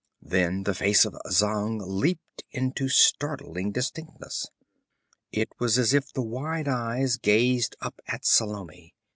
Then the face of Zang leaped into startling distinctness; it was as if the wide eyes gazed up at Salome.